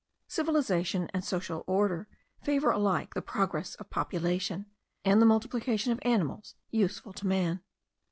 Civilization and social order favour alike the progress of population, and the multiplication of animals useful to man.